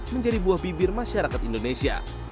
menjadi buah bibir masyarakat indonesia